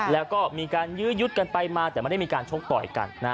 แล้วก็มีการยื้อยุดกันไปมาแต่ไม่ได้มีการชกต่อยกัน